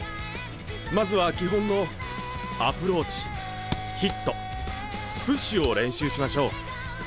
まずは基本のアプローチヒットプッシュを練習しましょう。